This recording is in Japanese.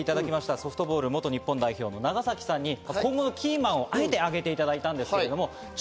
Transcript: ソフトボール元日本代表の長崎さんに今後のキーマンをあえて挙げていただきました。